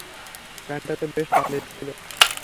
গানটা তো বেশ তালের ছিল।